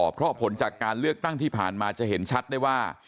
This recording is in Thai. เพราะผลจากการเลือกตั้งที่ผ่านมาจะเห็นชัดได้ว่า